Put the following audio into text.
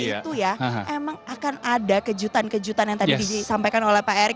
itu ya emang akan ada kejutan kejutan yang tadi disampaikan oleh pak erick